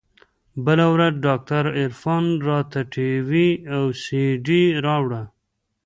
بله ورځ ډاکتر عرفان راته ټي وي او سي ډي راوړه.